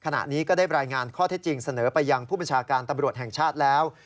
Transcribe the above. ขณะนี้ก็ได้รายงานข้อเท็จจริงเสนอไปยังผู้บัญชาการตำรวจแห่งชาติแล้ว